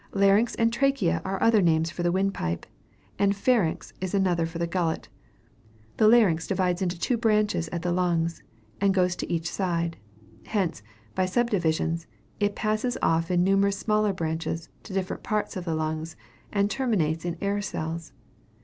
Larynx and trachea are other names for the windpipe, and pharynx is another for the gullet. The larynx divides into two branches at the lungs, and goes to each side. Hence, by subdivisions, it passes off in numerous smaller branches, to different parts of the lungs, and terminates in air cells.